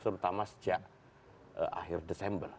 terutama sejak akhir desember